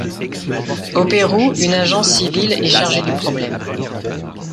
Au Pérou, une agence civile est chargée du problème.